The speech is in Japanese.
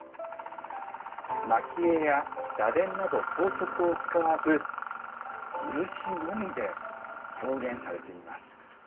蒔絵や螺鈿など装飾を使わず漆のみで表現されています。